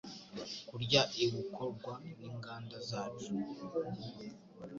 kurya ibukorwa ninganda zacu